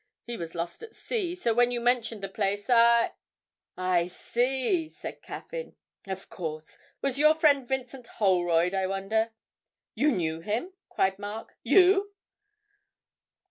He was lost at sea, so when you mentioned the place I ' 'I see,' said Caffyn. 'Of course. Was your friend Vincent Holroyd, I wonder?' 'You knew him?' cried Mark; 'you!'